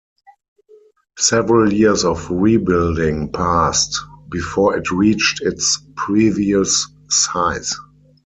Several years of rebuilding passed before it reached its previous size.